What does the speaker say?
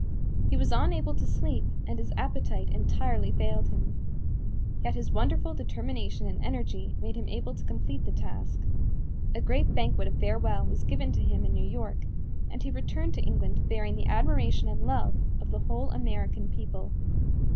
He was unable to sleep and his appetite entirely failed him. Yet his wonderful determination and energy made him able to complete the task. A great banquet of farewell was given to him in New York and he returned to England bearing the admiration and love of the whole American people.